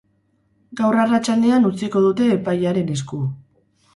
Gaur arratsaldean utziko dute epailearen esku.